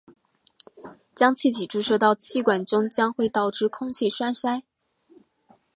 将气体注射到血管中将会导致空气栓塞。